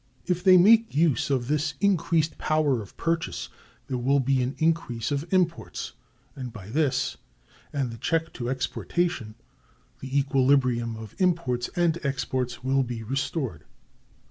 If they make use of this increased power of purchase, there will be an increase of imports; and by this, and the check to exportation, the equilibrium of imports and exports will be restored.